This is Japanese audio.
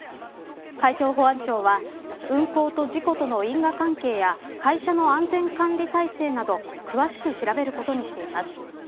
海上保安庁は運航と事故との因果関係や会社の安全管理体制など詳しく調べることにしています。